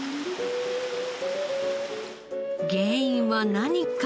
原因は何か？